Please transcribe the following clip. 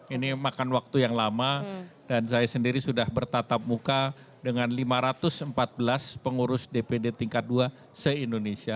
ini makan waktu yang lama dan saya sendiri sudah bertatap muka dengan lima ratus empat belas pengurus dpd tingkat dua se indonesia